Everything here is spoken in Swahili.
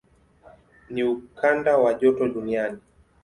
Ni ukanda wa joto duniani.